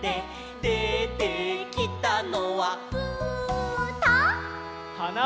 「でてきたのは」「ぶた」はなを。